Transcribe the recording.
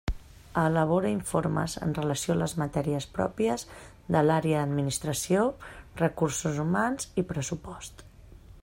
Elabora informes en relació a les matèries pròpies de l'àrea d'Administració, Recursos Humans i pressupost.